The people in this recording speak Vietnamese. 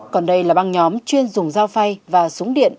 còn đây là băng nhóm chuyên dùng dao phay và súng điện